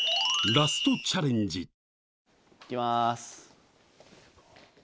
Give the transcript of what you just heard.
ラストチャレンジ行きます。